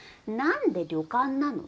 んで旅館なの？